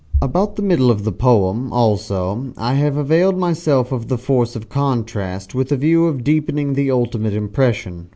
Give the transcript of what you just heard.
About the middle of the poem, also, I have availed myself of the force of contrast, with a view of deepening the ultimate impression.